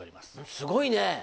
すごいね。